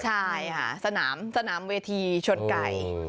ใช่ค่ะสนามเวทีชนไก่